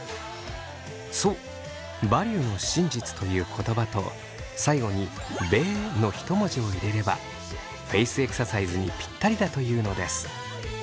そう「バリューの真実」という言葉と最後に「べー」のひと文字を入れればフェイスエクササイズにぴったりだというのです。